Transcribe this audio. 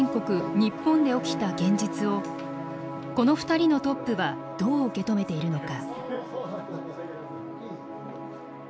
ニッポンで起きた現実をこの２人のトップはどう受け止めているのか。